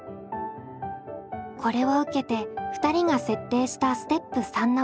これを受けて２人が設定したステップ３の課題がこちら。